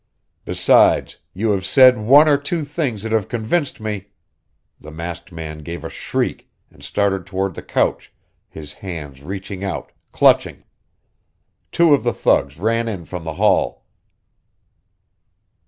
Besides, you have said one or two things that have convinced me " The masked man gave a shriek and started toward the couch, his hands reaching out, clutching. Two of the thugs ran in from the hall.